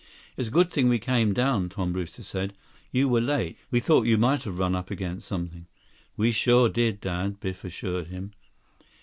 "It's a good thing we came down," Tom Brewster said. "You were late. We thought you might have run up against something." "We sure did, Dad," Biff assured him.